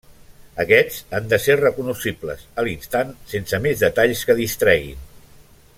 Aquests han de ser recognoscibles a l'instant, sense més detalls que distreguin.